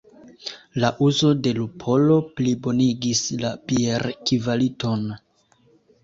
La uzo de lupolo plibonigis la bierkvaliton.